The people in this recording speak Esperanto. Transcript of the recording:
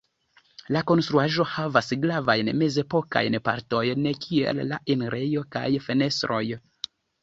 La konstruaĵo havas gravajn mezepokajn partojn, kiel la enirejo kaj fenestroj.